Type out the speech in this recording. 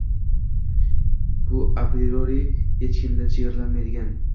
bu apriori hech kimdan chegaralanmaydigan